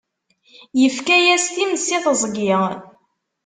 Ifka-yas times i teẓgi.